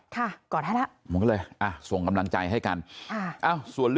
ค่ะกอดให้ล่ะ